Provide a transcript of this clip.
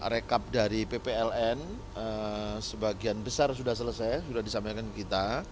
rekap dari ppln sebagian besar sudah selesai sudah disampaikan ke kita